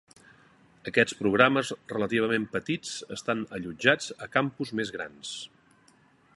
Aquests programes relativament petits estan allotjats a campus més grans.